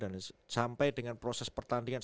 dan sampai dengan proses pertandingan